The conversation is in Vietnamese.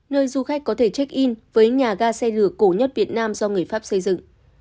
nơi du khách có thể check in với nhà ga xe lửa cổ nhất việt nam do người pháp xây dựng